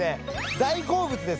大好物です